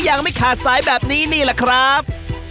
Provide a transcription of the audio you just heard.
ยังไม่คาดสายแบบนี้ล่ะครับ